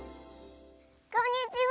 こんにちは！